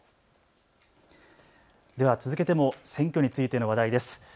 では続けても選挙についての話題です。